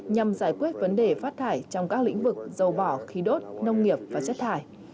nhằm giải quyết vấn đề phát thải trong các lĩnh vực dầu mỏ khí đốt nông nghiệp và chất thải